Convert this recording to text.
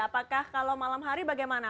apakah kalau malam hari bagaimana